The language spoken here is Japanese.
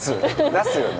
出すよね！